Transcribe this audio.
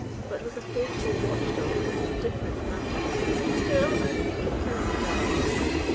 " But with a faithful watchdog it is a different matter. Still, I think it can be done."